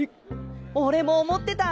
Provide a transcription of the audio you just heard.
俺も思ってた。